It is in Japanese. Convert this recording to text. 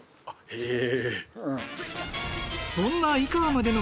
へえ。